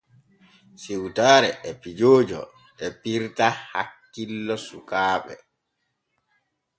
Siwtaare e pijoojo e pirta hakkilooji sukaaɓe.